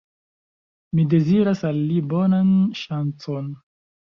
Mi deziras al li bonan ŝancon!